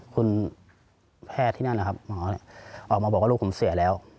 คุณแพทย์ที่นั่นนะครับหมอออกมาบอกว่าลูกผมเสียแล้ว